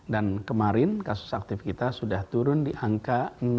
dan kemarin kasus aktif kita sudah turun di angka enam puluh empat